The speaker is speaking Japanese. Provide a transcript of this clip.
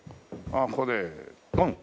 ここでドン。